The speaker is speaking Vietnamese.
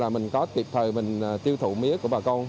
mình có kịp thời mình tiêu thụ mía của bà con